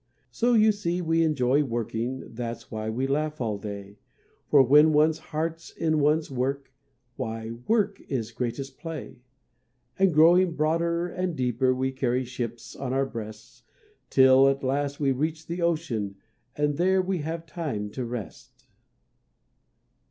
So you see we enjoy working, That's why we laugh all day, For when one's heart is in one's work, Why! work is greatest play! And growing broader and deeper, We carry ships on our breasts, 'Till at last we reach the ocean, And there we have time to rest."